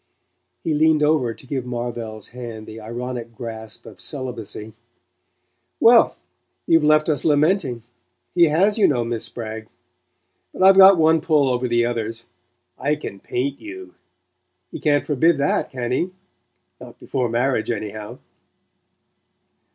He leaned over to give Marvell's hand the ironic grasp of celibacy. "Well, you've left us lamenting: he has, you know. Miss Spragg. But I've got one pull over the others I can paint you! He can't forbid that, can he? Not before marriage, anyhow!"